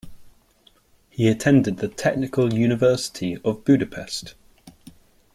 He attended the Technical University of Budapest.